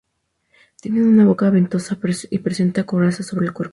Tienen una boca en ventosa y presenta coraza sobre el cuerpo.